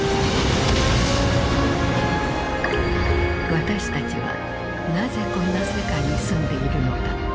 私たちはなぜこんな世界に住んでいるのか。